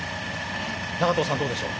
長藤さんどうでしょう。